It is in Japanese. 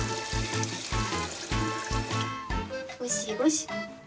ごしごし。